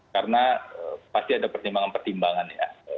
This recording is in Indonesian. karena pasti ada pertimbangan pertimbangan ya